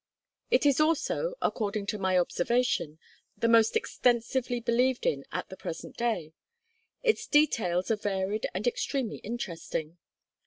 It is also, according to my observation, the most extensively believed in at the present day. Its details are varied and extremely interesting.